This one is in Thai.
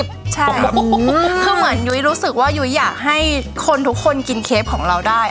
ใช่คือเหมือนยุ้ยรู้สึกว่ายุ้ยอยากให้คนทุกคนกินเคฟของเราได้